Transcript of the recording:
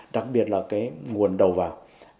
đặc biệt là nguồn đầu vào